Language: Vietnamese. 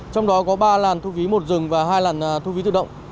trong đó có ba làn thu phí một dừng và hai làn thu phí tự động